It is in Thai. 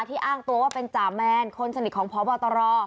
อ้างตัวว่าเป็นจ่าแมนคนสนิทของพบตร